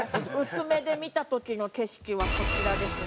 薄目で見た時の景色はこちらです。